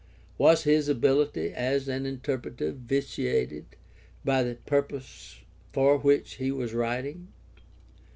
Was his ability as an interpreter vitiated by the purpose for which he was writing?